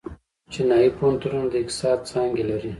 چینايي پوهنتونونه د اقتصاد څانګې لري.